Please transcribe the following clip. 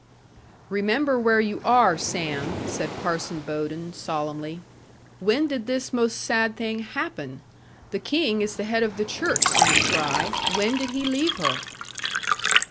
'Remember where you are, Sam,' said Parson Bowden solemnly; 'when did this most sad thing happen? The King is the head of the Church, Sam Fry; when did he leave her?'